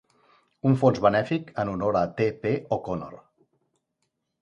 Un fons benèfic en honor a T. P. O'Connor.